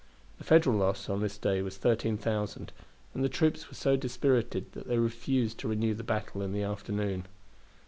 The Federal loss on this day was 13,000, and the troops were so dispirited that they refused to renew the battle in the afternoon.